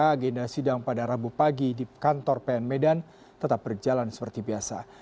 agenda sidang pada rabu pagi di kantor pn medan tetap berjalan seperti biasa